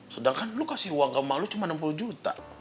sedangkan lu kasih uang ke malu cuma enam puluh juta